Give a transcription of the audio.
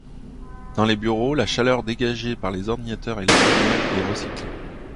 Dans les bureaux, la chaleur dégagée par les ordinateurs et les lumières est recyclée.